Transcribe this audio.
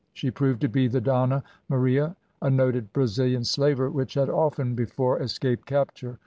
She proved to be the Donna Maria, a noted Brazilian slaver which had often before escaped capture.